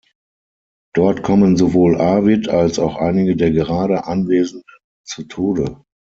Dort kommen sowohl Arvid als auch einige der gerade Anwesenden zu Tode.